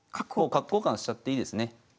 角交換しちゃっていいですね。